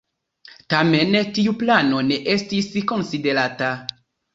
Tamen tiu plano ne estis konsiderata.